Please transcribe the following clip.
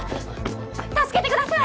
助けてください